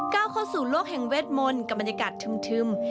เข้าสู่โลกแห่งเวทมนต์กับบรรยากาศชึม